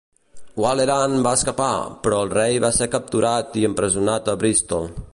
Waleran va escapar, però el rei va ser capturat i empresonat a Bristol.